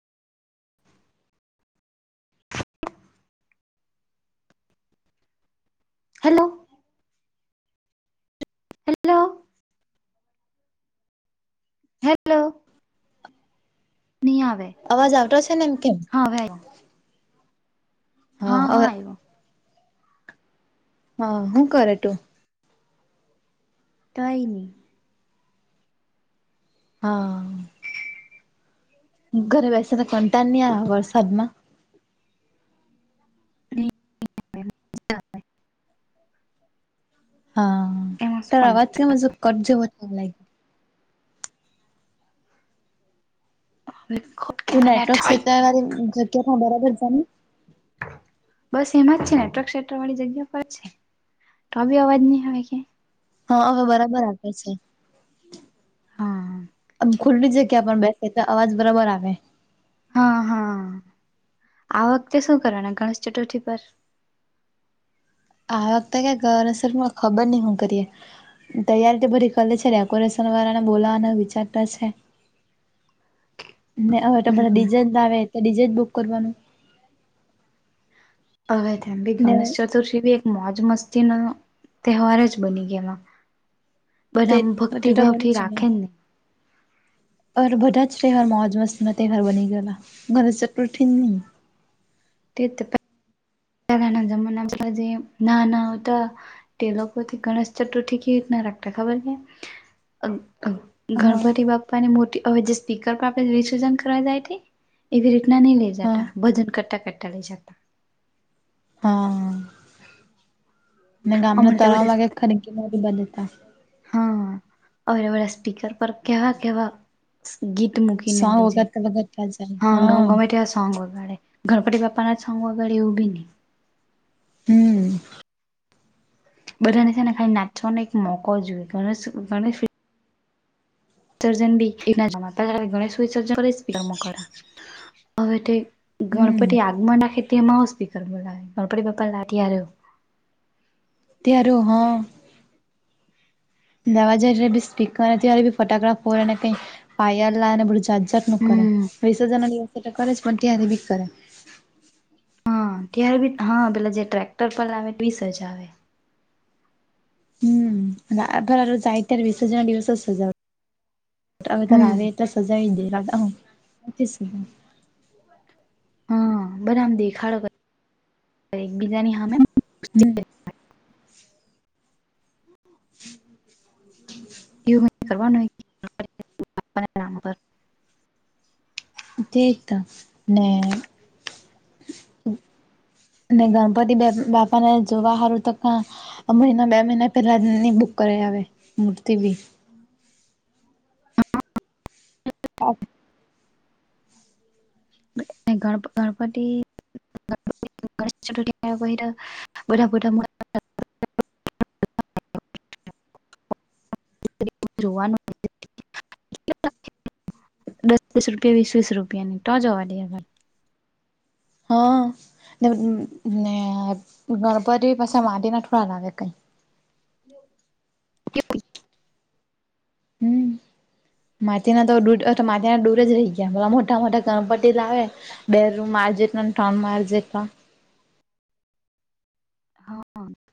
Hello. Hello. Hello, ની આવે. અવાજ આવતો છે ને, એમ કેમ. હા હવે આવ્યો હા હવે હા હું કરે ટુ? કઈ ની. હા હા હા. ઘરે બેસીને કંટાળ ની આવે વરસાદમાં? [unintelligible] હા એમાં તારો શું અવાજ [unintelligible] કટ જેવો [unintelligible] [unintelligible] તું નેટવર્ક ક્ષેત્રવાળી જગ્યામાં બરાબર જાની. બસ એમાં જ છે, નેટવર્ક ક્ષેત્ર વાળી જગ્યા પર જ છે, તોબી અવાજ નઈ આવે કે હા હવે બરાબર આવે છે. હા [unintelligible] ખુલ્લી જગ્યા પણ બેસે તો, અવાજ બરાબર આવે. હા હા, આ વખતે શું કરવાના ગણેશ ચતુર્થી પર? આ વખતે [unintelligible] ખબર નહીં હું કરીએ? તૈયારી તો બધી કર લી છે, ડેકોરેશન વાળાને બોલાવાનો વિચાર તો છે. ને હવે તો બધા હમ ડીજેજ લાવે, તો ડીજે જ બુક કરવાનું. હવે તો એમ બી ને ગણેશ ચતુર્થી બી એક મોજ મસ્તીનો તહેવાર જ બની ગયો એમાં. બધા તે આમ તે તો બની ભક્તિભાવથી રાખે ને નઈ. હવે તો બધા જ તહેવાર મોજ મસ્તીના તહેવાર બની ગયલા, ગણેશ ચતુર્થી જ ની. તે જ તો [unintelligible] પહેલેના જમાનામાં તો હજી નાના હોતા તે લોકોથી ગણેશ ચતુર્થી કેવી રીતના રાખતા ખબર છે? [unintelligible] હા ગણપતિ બાપ્પાની મૂર્તિ, હવે જે સ્પીકર પર આપણે વિસર્જન કરવા જાય તે. એવી રીતના નઈ લઈ હા જાતા, ભજન કરતા કરતા લઈ જાતા. હા હા હા. અને ગામના હમણાં તો બધા તળાવમાં [unintelligible] હા હવે ઓલા સ્પીકર પર કેવા કેવા ગીત મૂકીને સોંગ લઈ જાય, વગાડતા વગાડતા જાય હા ગ ગમે તેવા આ સોંગ વગાડે. ગણપતિ બાપ્પાના જ સોંગ વગાડે એવું બી નહી. હમ બાધાને છેને ખાલી નાચવાનો એક મોકો જોય ગણેશ [unintelligible] ગણપતિ હમ આગમન નાખે મા આવ સ્પીકર બોલા ગણપતિ પપ્પા તાર્યો ત્યારે હા દાવાજ સ્પીકર નથીવા્યારે ફોટો્રાફ હોયને કઈ પાયાર લાવેને બધુ જાત જાત નું કરે હમ વિસર્જા ના દિવસે કરે જ પણ ત્યાંથી બી કરે. હા ત્યારે બી હા પેલા જે ટ્રેક્ટર પર લાવે તો સજઆવે. હમ આય જાય ત્યારે વિસર્જન દિવસ સજાવે. હવે ત હમ આવે તો સજાવી દે હા બધા આમ દેખાડો કર એકબીજાની હામે હમ [inaudible] એવું ન કરવાનું હોય. ઠીક ત ને ને ગણપતિ બાપાને જોવા સારું તો ક અમરીના બે મહિના પહેલાંની બુક કર આવે મૂર્તિ બી ઓ ગણપ ગણપતિ [unintelligible] બુધા બુધા મ જોવાનું [unintelligible] દસ દસ રૂપિયા વીસ વીસ રૂપિયાની તો જવા દે આર હા ને ને ગણપતિ પાસે માંટીના થોડા લાગે કંઈ [inaudible] હમ્મ માટીના તો [unintelligible] તો માટીના દૂર જ રહી ગયા મોટા મોટા ગણપતી લાવે બે માર જેટને ટઉન માર જેટલા હા